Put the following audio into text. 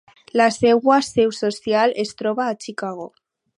La seva seu social es troba a Chicago.